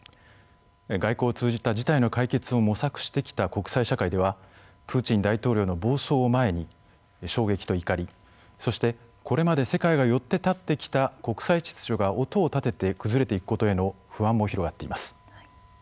外交を通じた事態の解決を模索してきた国際社会ではプーチン大統領の暴走を前に衝撃と怒りそして、これまで世界がよって立ってきた国際秩序が音を立てて崩れていくことへの不安も広がっています。